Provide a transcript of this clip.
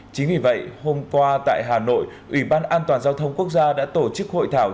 chính vì vậy hôm qua tại hà nội ủy ban an toàn giao thông quốc gia đã tổ chức hội thảo